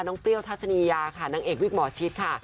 เปรี้ยวทัศนียาค่ะนางเอกวิกหมอชิดค่ะ